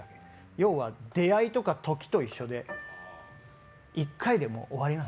要は、出会いとか時と一緒で１回でもう終わりなんですよ。